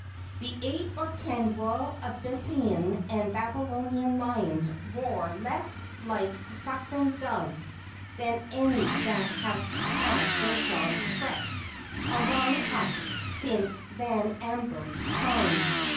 The eight or ten royal Abyssinian and Babylonian lions roar less like sucking doves than any that have had their jaws stretched among us since Van Amburgh's time.